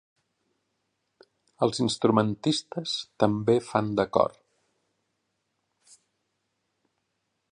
Els instrumentistes també fan de cor.